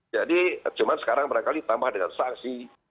jadi cuma sekarang berkali kali tambah dengan sanksi